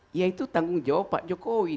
jadi ya itu tanggung jawab pak jokowi